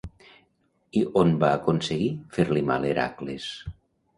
I on va aconseguir fer-li mal Hèracles?